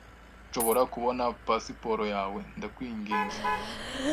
Nshobora kubona pasiporo yawe, ndakwinginze?